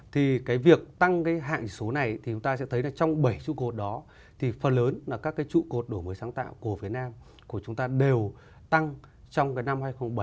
thì cái việc tăng cái hạng số này thì chúng ta sẽ thấy là trong bảy trụ cột đó thì phần lớn là các cái trụ cột đổi mới sáng tạo của việt nam của chúng ta đều tăng trong cái năm hai nghìn bảy